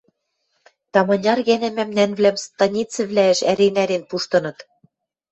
Таманяр гӓнӓ мӓмнӓнвлӓм станицӹвлӓэш ӓрен-ӓрен пуштыныт.